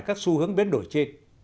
các xu hướng biến đổi trên